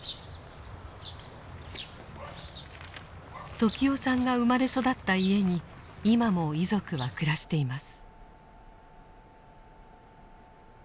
時雄さんが生まれ育った家に今も遺族は暮らしています。